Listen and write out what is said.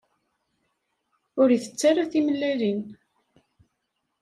Ur itett ara timellalin.